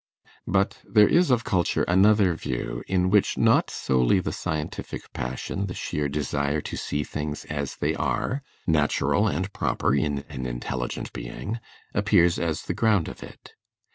But there is of culture another view, in which not solely the scientific passion, the sheer desire to see things as they are, natural and proper in an intelligent being, appears as the ground of it.